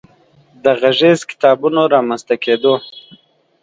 د غږیزو کتابونو رامنځ ته کېدو